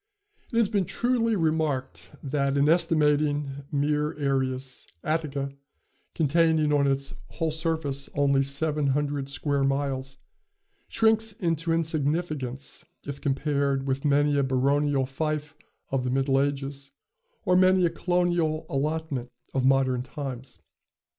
It has been truly remarked that, in estimating mere areas Attica, containing on its whole surface only seven hundred square miles, shrinks into insignificance if compared with many a baronial fief of the Middle Ages, or many a colonial allotment of modern times.